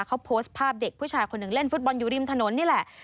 เขาโพสต์ภาพเด็กผู้ชายคนหนึ่งเล่นฟุตบอลอยู่ริมถนนนี่แหละ